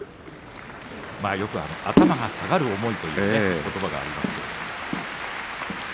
頭が下がる思いということばがありますね。